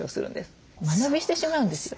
間延びしてしまうんですよ。